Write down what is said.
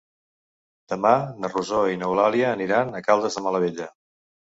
Demà na Rosó i n'Eulàlia aniran a Caldes de Malavella.